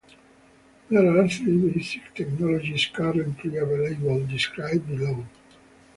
There are three basic technologies currently available, described below.